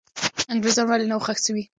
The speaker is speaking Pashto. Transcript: انګریزان ولې نه وو ښخ سوي؟